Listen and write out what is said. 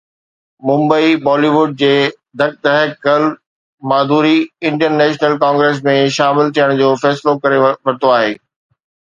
ممبئي (م ڊ) بالي ووڊ جي دک دھڪ گرل ماڌوري انڊين نيشنل ڪانگريس ۾ شامل ٿيڻ جو فيصلو ڪري ورتو آهي.